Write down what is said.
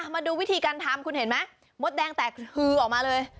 มาดูวิธีการทำคุณเห็นไหมมดแดงแตกฮือออกมาเลย